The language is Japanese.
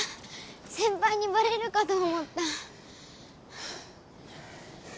せんぱいにバレるかと思った。